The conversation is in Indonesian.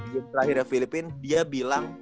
game terakhirnya filipina dia bilang